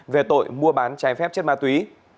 về tội mua bán trái phép chất ma túy